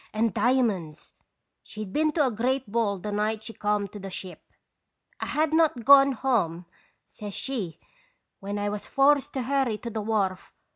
171 and diamonds/ She 'd been to a great ball the night she come to the ship. "' I had not gone home/ says she, * when I was forced to hurry to the wharf.